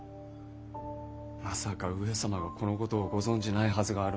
まさか上様がこのことをご存じないはずがあるまい。